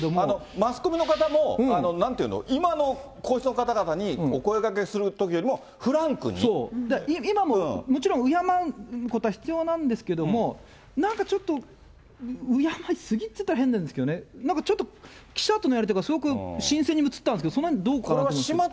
マスコミの方も、なんて言うの、今の皇室の方々にお声がけす今ももちろん敬うことは必要なんですけれども、なんかちょっと、敬いすぎって言ったら変なんですけどね、なんかちょっと、記者とのやり取りが新鮮に映ったんですけれども、そのへん、どうかなと思って。